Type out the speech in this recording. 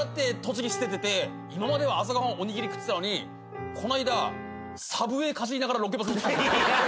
今までは朝ご飯おにぎり食ってたのにこの間サブウェイかじりながらロケバス乗って。